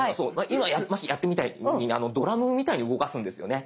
今やったみたいにドラムみたいに動かすんですよね。